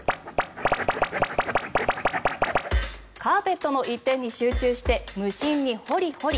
カーペットの一点に集中して無心に掘り掘り。